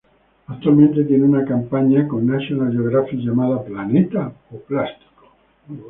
Actualmente, tiene una campaña con National Geographic llamada "¿Planeta o Plástico?